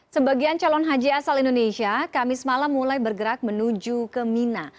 sebagian calon haji asal indonesia kamis malam mulai bergerak menuju ke mina